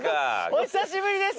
お久しぶりです。